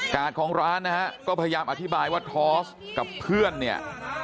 ของร้านนะฮะก็พยายามอธิบายว่าทอสกับเพื่อนเนี่ย